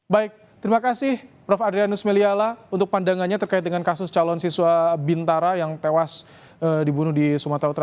baik terima kasih prof adrianus meliala untuk pandangannya terkait dengan kasus calon siswa bintara yang tewas dibunuh di sumatera utara